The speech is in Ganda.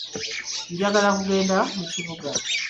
Njagala kugenda mu kibuga.